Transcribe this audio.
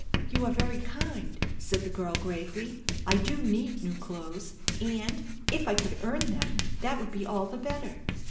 "You are very kind," said the girl gravely. "I do need new clothes; and, if I could earn them, that would be all the better."